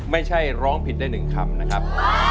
ไม่ใช่ร้องผิดได้๑คำนะครับ